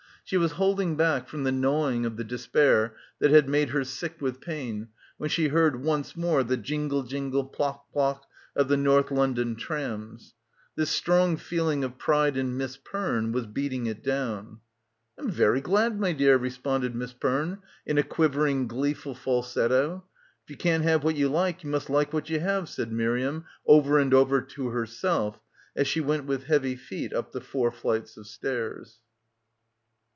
She was holding back from the gnawing of the despair that had made her sick with pain when she heard once more the jingle jingle, plock plock of the North London trams. This strong feeling of pride in Miss Perne was beating it down. "I'm very glad, my dear," responded Miss Perne in a quivering gleeful falsetto. If you can't have what you like you must like what you have/ said Miriam over and over to herself as she went with heavy feet up the four flights of stairs.